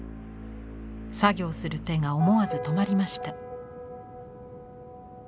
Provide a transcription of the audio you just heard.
作業する手が思わず止まりました。